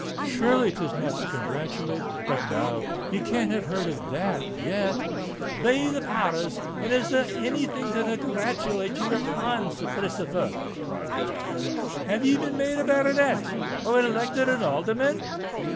Surely 'tis not to congratulate——But, no—he can't have heard of that yet." Be the power rs! and is there any thing to congratulate ye upon, Sir Christopher?" cried the Captain. "Have ye been made a baronet—or elected an alderman?"